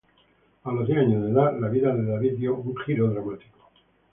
A los diez años de edad, la vida de David dio un giro dramático.